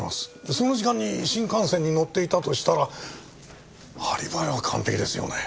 その時間に新幹線に乗っていたとしたらアリバイは完璧ですよね。